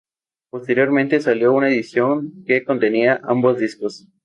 Posteriormente, salió una edición que contenía ambos discos.